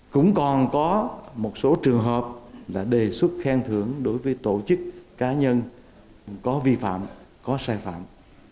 cũng còn có một số trường hợp là đề xuất khen thưởng đối với tổ chức cá nhân có vi phạm có sai phạm